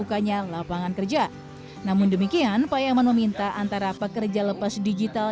bukannya lapangan kerja namun demikian payaman meminta antara pekerja lepas digital